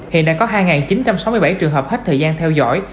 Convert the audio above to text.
hiện đã có hai chín trăm sáu mươi bảy trường hợp hết thời gian theo dõi